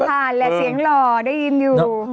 ฟานแล้วเสียงหล่อได้ยินอยู่